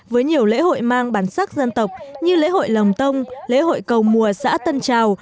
với nhiều lễ hội mang bản sắc dân tộc như lễ hội lồng tông lễ hội cầu mùa xã tân trào